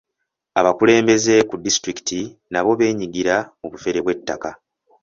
Abakulembeze ku disitulikiti nabo beenyigira mu bufere bw'ettako.